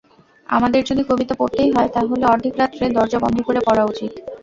আমাদের যদি কবিতা পড়তেই হয় তা হলে অর্ধেকরাত্রে দরজা বন্ধ করে পড়া উচিত।